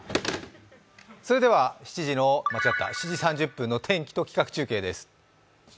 それでは、７時３０分の天気と企画中継です。